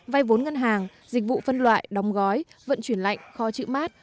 vai vốn ngân hàng dịch vụ phân loại đóng gói vận chuyển lạnh kho chữ mát